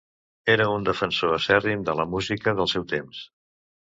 Era un defensor acèrrim de la música del seu temps.